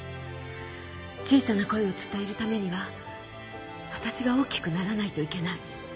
小さな声を伝えるためにはわたしが大きくならないといけない。